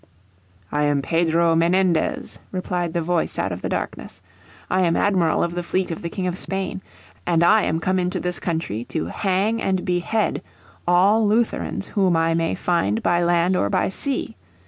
"I am Pedro Menendez," replied the voice out of the darkness. "I am Admiral of the fleet of the King of Spain. And I am come into this country to hang and behead all Lutherans whom I may find by land or by sea.